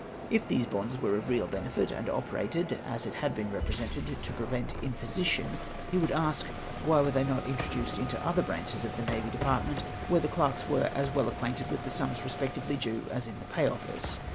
" If these bonds were of real benefit, and operated, as it had been represented, to prevent imposition, he would ask, why were they not introduced into other branches of the navy department where the clerks were as well acquainted with the sums respectively due as in the pay office